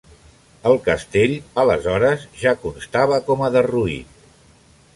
El castell aleshores ja constava com a derruït.